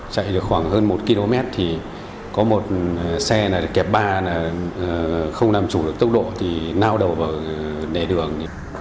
chạy được khoảng hơn một km thì có một xe kẹp ba là không làm chủ được tốc độ thì nao đầu vào nẻ đường